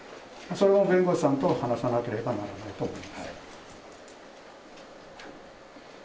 それは弁護士さんと話さなければならないと思います。